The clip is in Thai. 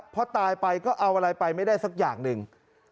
พอตายไปก็เอาอะไรไปไม่ได้สักอย่างหนึ่ง